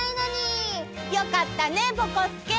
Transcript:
よかったねぼこすけ！